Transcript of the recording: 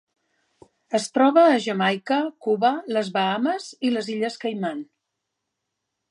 Es troba a Jamaica, Cuba, les Bahames i les Illes Caiman.